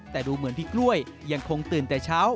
แต่ดูเหมือนพี่กล้วยยังคงตื่นแต่เช้า